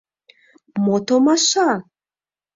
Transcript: Мо томаша?!